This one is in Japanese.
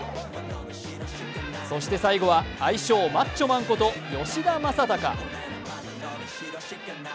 そして最後は愛称・マッチョマンこと吉田正尚。